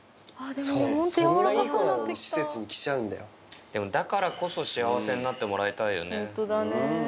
そんないい子なのに施設に来でも、だからこそ幸せになってもらいたいよね。